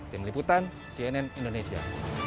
tim liputan cnn indonesia